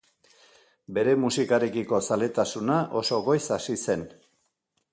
Bere musikarekiko zaletasuna oso goiz hasi zen.